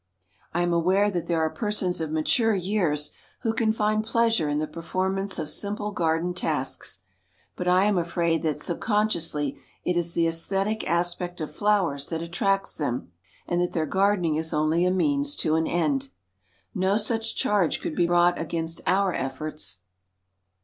I am aware that there are persons of mature years who can find pleasure in the perform ance of simple garden tasks. But I am afraid that subconsciously it is the aesthetic aspect of flowers that attracts them, and that their gardening is only a means to an end. No such charge could be brought against our efforts.